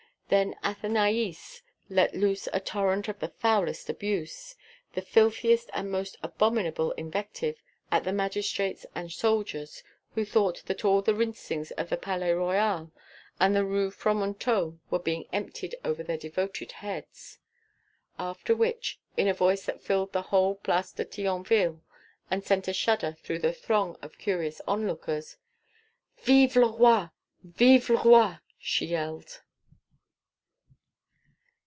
Then Athenaïs let loose a torrent of the foulest abuse, the filthiest and most abominable invective, at the magistrates and soldiers, who thought that all the rinsings of the Palais Royal and the Rue Fromenteau were being emptied over their devoted heads. After which, in a voice that filled the whole Place de Thionville and sent a shudder through the throng of curious onlookers: "Vive le roi! Vive le roi!" she yelled.